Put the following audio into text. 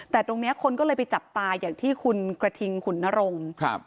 แต่ตรงนี้คนก็เลยไปจับตาอย่างที่คุณกระทิงขุนนรงค์